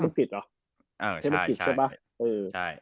เทปโรคผิดหรอ